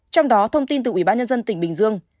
trong đó thông tin từ ubnd tỉnh bình dương